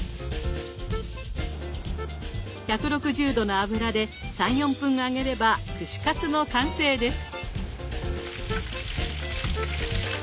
１６０℃の油で３４分揚げれば串カツの完成です。